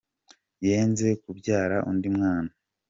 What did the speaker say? yenze kubyara undi mwana